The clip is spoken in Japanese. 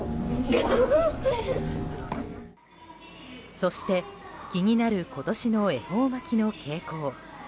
そして、気になる今年の恵方巻きの傾向。